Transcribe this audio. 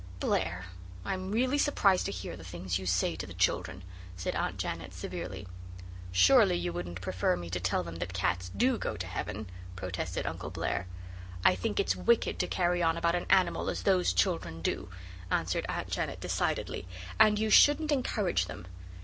"Blair, I'm really surprised to hear the things you say to the children," said Aunt Janet severely. "Surely you wouldn't prefer me to tell them that cats DO go to heaven," protested Uncle Blair. "I think it's wicked to carry on about an animal as those children do," answered Aunt Janet decidedly, "and you shouldn't encourage them.